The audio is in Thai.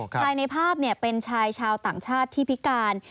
ในภาพเป็นชายชาวต่างชาติที่พิการ